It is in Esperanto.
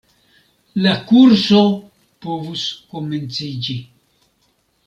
La kurso povus komenciĝi.